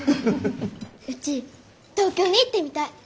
うち東京に行ってみたい！